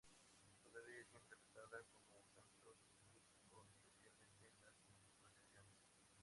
Todavía es interpretada como canto litúrgico, especialmente en las procesiones.